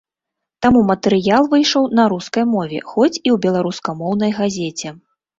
Таму матэрыял выйшаў на рускай мове, хоць і ў беларускамоўнай газеце.